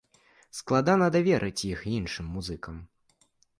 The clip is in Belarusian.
Складана даверыць іх іншым музыкам.